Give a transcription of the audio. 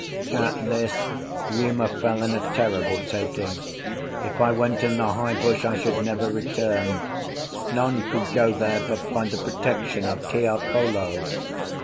At this Uma fell in a terrible taking; if I went in the high bush I should never return; none could go there but by the protection of Tiapolo.